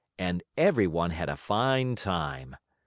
And every one had a fine time.